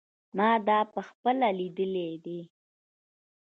ما دا په خپله لیدلی دی.